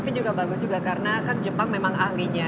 tapi juga bagus juga karena kan jepang memang ahlinya